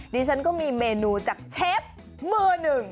ดิฉันก็มีเมนูจากเชฟมือหนึ่ง